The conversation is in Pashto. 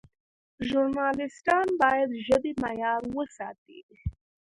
ژورنالیستان باید د ژبې معیار وساتي.